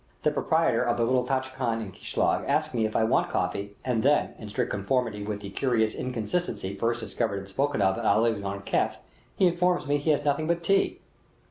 The proprietor of the little tchai khan at Kishlag asks me if I want coffee, and then, in strict conformity with the curious inconsistency first discovered and spoken of at Aivan i Kaif, he informs me that he has nothing but tea.